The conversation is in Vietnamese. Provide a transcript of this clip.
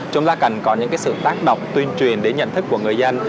chúng ta cần có những sự tác động tuyên truyền đến nhận thức của người dân